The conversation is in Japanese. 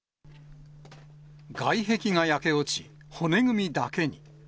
外壁が焼け落ち、骨組みだけに。